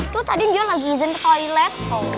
tuh tadi dia lagi izin ke toilet